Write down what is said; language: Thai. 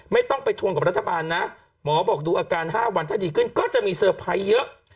ไม่ต้องไปทวงกับรัฐบาลนะหมอบอกดูอาการ๕วันถ้าดีขึ้นก็จะมีเซอร์ไพรส์เยอะ